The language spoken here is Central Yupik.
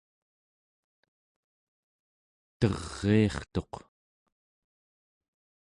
teriirtuq